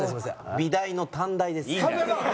美大の短大です。